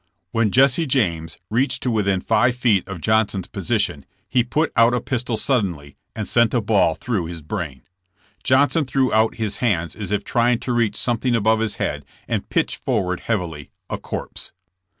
When Jesse James reached to within five feet of Johnson's position, he put out a pistol suddenly and sent a bullet through his brain. Johnson threw out his hands as if trying to reach something above his head and pitched forward heavily, a corpse.